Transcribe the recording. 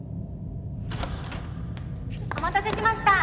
お待たせしました。